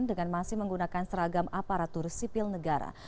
dengan masih menggunakan seragam aparatur sipil negara